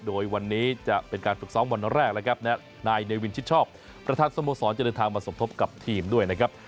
โดยวันนี้จะเป็นการฝึกซ้อมวันแรกแล้วครับและนายเนวินชิดชอบประธานสโมสรจะเดินทางมาสมทบกับทีมด้วยนะครับ